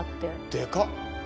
でかっ！